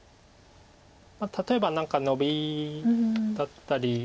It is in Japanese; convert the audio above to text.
例えば何かノビだったり。